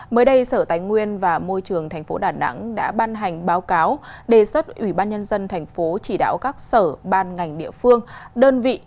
mới đây sở tài nguyên và môi trường tp đà nẵng đã ban hành báo cáo đề xuất ủy ban nhân dân thành phố chỉ đạo các sở ban ngành địa phương đơn vị